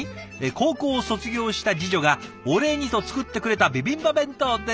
「高校を卒業した次女がお礼にと作ってくれたビビンバ弁当です」。